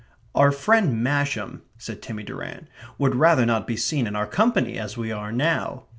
"Our friend Masham," said Timmy Durrant, "would rather not be seen in our company as we are now."